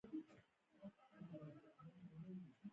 انا له خوشبو سره علاقه لري